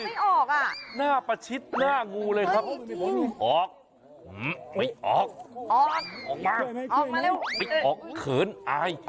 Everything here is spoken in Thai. ไม่ออกอ่ะน่าประชิตหน้างูเลยครับออกไม่ออกออกมาออกเขินอาย